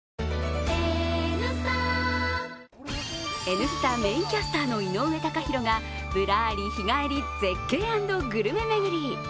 「Ｎスタ」メインキャスターの井上貴博がぶらり日帰り絶景＆グルメ巡り。